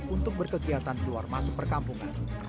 untuk berkegiatan keluar masuk perkampungan